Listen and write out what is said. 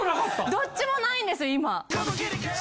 どっちも無いんです今。